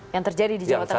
yang terjadi di jawa tengah